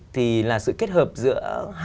thì là sự kết hợp giữa